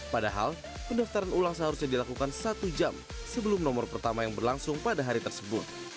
padahal pendaftaran ulang seharusnya dilakukan satu jam sebelum nomor pertama yang berlangsung pada hari tersebut